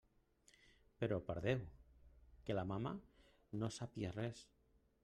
Però, per Déu!, que la mamà no sàpia res.